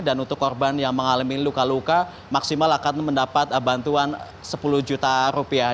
untuk korban yang mengalami luka luka maksimal akan mendapat bantuan sepuluh juta rupiah